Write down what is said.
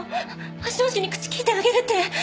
ファッション誌に口利いてあげるって。